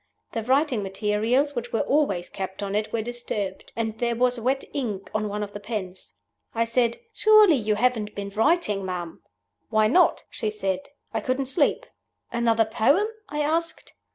The writing materials which were always kept on it were disturbed, and there was wet ink on one of the pens. I said, 'Surely you haven't been writing, ma'am?' 'Why not?' she said; 'I couldn't sleep.' 'Another poem?' I asked.